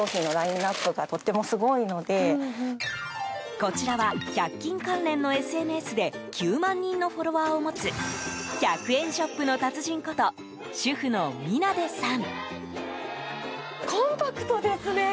こちらは１００均関連のＳＮＳで９万人のフォロワーを持つ１００円ショップの達人こと主婦のみなでさん。